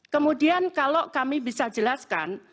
kemudian kalau kami bisa jelaskan